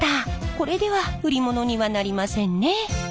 これでは売り物にはなりませんね。